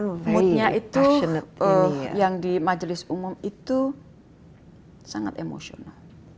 moodnya itu yang di majelis umum itu sangat emosional